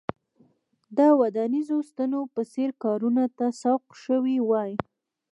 د ودانیزو ستنو په څېر کارونو ته سوق شوي وای.